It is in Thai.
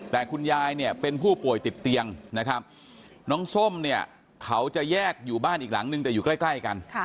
แต่คุณยายเนี่ยเป็นผู้ป่วยติดเตียงนะครับน้องส้มเนี่ยเขาจะแยกอยู่บ้านอีกหลังนึงแต่อยู่ใกล้กัน